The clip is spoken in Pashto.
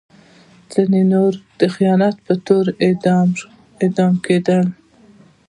ځینې نور به د خیانت په تور اعدام کېدل.